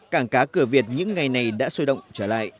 cảng cá cửa việt những ngày này đã sôi động trở lại